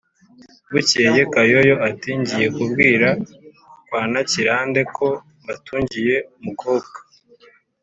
bukeye kayoyo ati : "ngiye kubwira kwa ntakirande ko mbatungiye umukobwa.